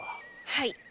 はい。